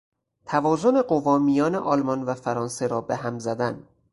توازن قوا میان آلمان و فرانسه را به هم زدن